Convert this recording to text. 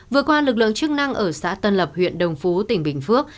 vừa qua lực lượng chức năng ở xã tân lập huyện đồng phú tỉnh bình phước